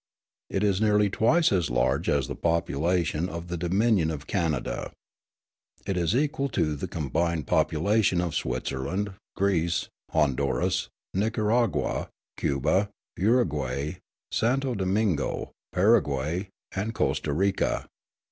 It is nearly twice as large as the population of the Dominion of Canada. It is equal to the combined population of Switzerland, Greece, Honduras, Nicaragua, Cuba, Uruguay, Santo Domingo, Paraguay, and Costa Rica.